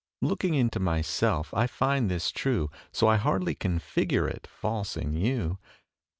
Looking into myself, I find this true, So I hardly can figure it false in you.